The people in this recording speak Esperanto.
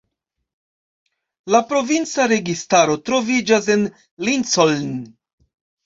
La provinca registaro troviĝas en Lincoln.